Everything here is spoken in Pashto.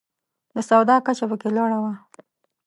د سواد کچه پکې لوړه وه.